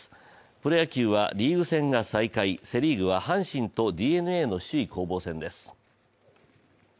プロ野球はリーグ戦が再開、セ・リーグは阪神とＤｅＮＡの首位攻防戦です。